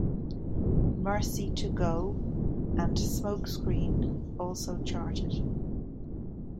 "Mercy to Go" and "Smokescreen" also charted.